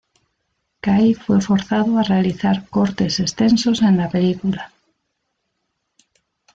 Cai fue forzado a realizar cortes extensos en la película.